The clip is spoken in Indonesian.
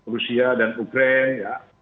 rusia dan ukraine